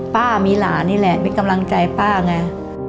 ป้ามีหลานนี่แหละมีกำลังใจป้าไง